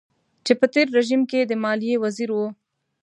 چې په تېر رژيم کې د ماليې وزير و.